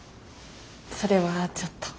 それはちょっと。